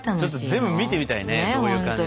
全部見てみたいねどういう感じなのか。